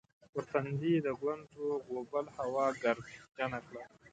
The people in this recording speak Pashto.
پر تندي یې د ګونځو غوبل هوا ګردجنه کړه